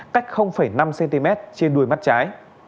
cách năm cm trên đuôi mắt trái